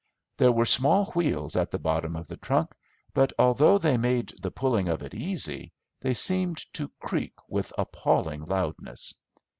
There were small wheels at the bottom of the trunk, but although they made the pulling of it easy, they seemed to creak with appalling loudness.